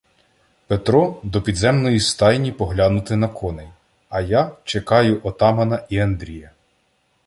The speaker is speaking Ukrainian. Петро — до підземної стайні поглянути на коней, а я чекаю отамана і Андрія.